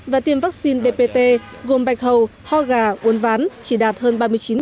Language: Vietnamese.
và tiêm vaccine dpt gồm bạch hầu ho gà uốn ván chỉ đạt hơn ba mươi chín